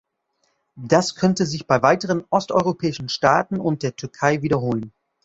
Das könnte sich bei weiteren osteuropäischen Staaten und der Türkei wiederholen.